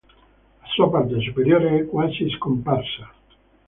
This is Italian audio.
La sua parte superiore è quasi scomparsa.